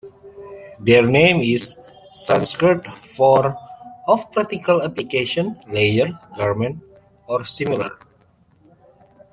Their name is Sanskrit for "of practical application - layer - garment" or similar.